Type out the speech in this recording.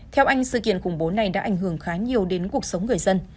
theo anh sự kiện khủng bố này đã ảnh hưởng khá nhiều đến cuộc sống người dân